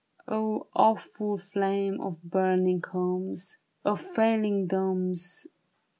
O awful flame of burning homes ! Of falling domes